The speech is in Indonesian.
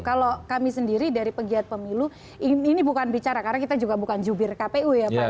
kalau kami sendiri dari pegiat pemilu ini bukan bicara karena kita juga bukan jubir kpu ya pak